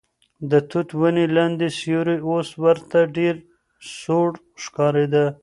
د توت ونې لاندې سیوری اوس ورته ډېر سوړ ښکارېده.